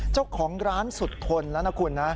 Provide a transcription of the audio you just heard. เจ้าของร้านสุดทนแล้วนะคุณนะ